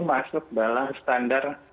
masuk dalam standar